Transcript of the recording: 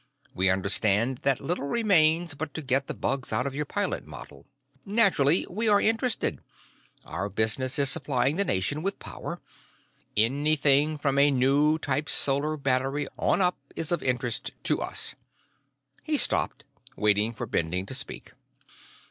We understand that little remains but to get the bugs out of your pilot model. "Naturally, we are interested. Our business is supplying the nation with power. Anything from a new type solar battery on up is of interest to us." He stopped, waiting for Bending to speak.